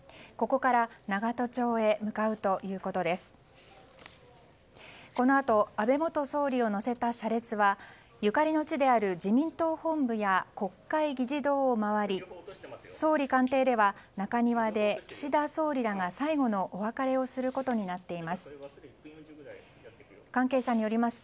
このあと安倍元総理を乗せた車列はゆかりの地である自民党本部や国会議事堂を回り総理官邸では中庭で岸田総理らが最後のお別れをすることになっています。